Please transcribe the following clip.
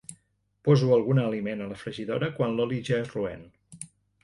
Poso alguna aliment a la fregidora quan l'oli ja és roent.